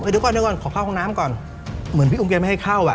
เดี๋ยวก่อนเดี๋ยวก่อนขอเข้าห้องน้ำก่อนเหมือนพี่อุ๋มแกไม่ให้เข้าอ่ะ